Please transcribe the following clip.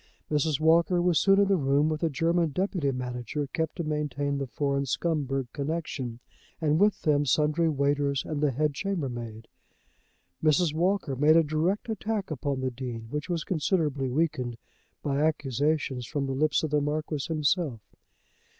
Mrs. Walker was soon in the room, with a German deputy manager kept to maintain the foreign Scumberg connection, and with them sundry waiters and the head chambermaid. Mrs. Walker made a direct attack upon the Dean, which was considerably weakened by accusations from the lips of the Marquis himself.